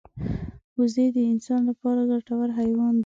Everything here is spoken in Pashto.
وزې د انسان لپاره ګټور حیوان دی